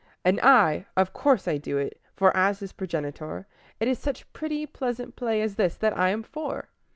And I of course I do it; for, as his progenitor, It is such pretty, pleasant play as this that I am for!